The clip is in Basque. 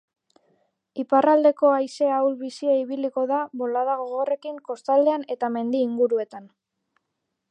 Iparraldeko haize ahul-bizia ibiliko da, bolada gogorrekin kostaldean eta mendi inguruetan.